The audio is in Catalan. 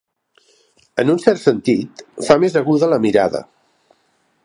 En un cert sentit, fa més aguda la mirada.